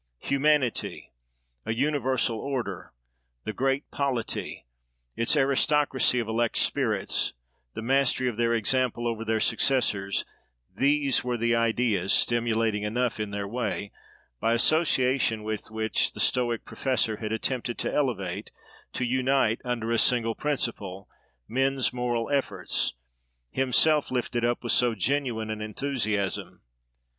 Humanity, a universal order, the great polity, its aristocracy of elect spirits, the mastery of their example over their successors—these were the ideas, stimulating enough in their way, by association with which the Stoic professor had attempted to elevate, to unite under a single principle, men's moral efforts, himself lifted up with so genuine an enthusiasm.